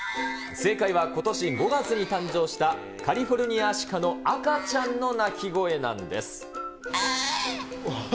正解は、ことし５月に誕生したカリフォルニアアシカの赤ちゃんの鳴き声なんです。